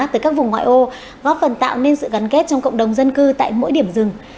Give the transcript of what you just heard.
từ các vùng ngoại ô góp phần tạo nên sự gắn kết trong cộng đồng dân cư tại mỗi điểm rừng